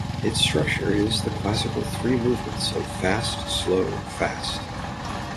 Its structure is the classical three movements of fast-slow-fast.